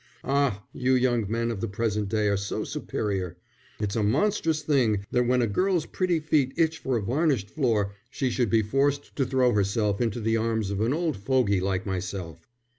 "Ah, you young men of the present day are so superior. It's a monstrous thing that when a girl's pretty feet itch for a varnished floor she should be forced to throw herself into the arms of an old fogey like myself."